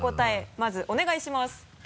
まずお願いします。